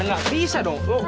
bener gak bisa dong